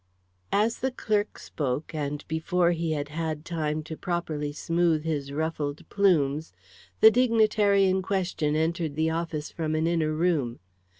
As the clerk spoke, and before he had had time to properly smooth his ruffled plumes, the dignitary in question entered the office from an inner room.